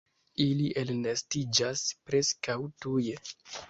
Ili elnestiĝas preskaŭ tuje.